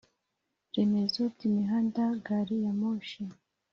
Remezo by imihanda gari ya moshi